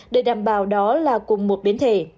để đảm bảo đó là cùng một biến thể